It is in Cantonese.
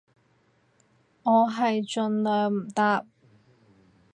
我係盡量唔搭